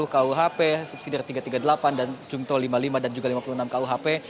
kuhp subsider tiga ratus tiga puluh delapan jumto lima puluh lima dan juga lima puluh enam kuhp